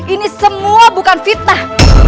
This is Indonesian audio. ini semua bukan fitnah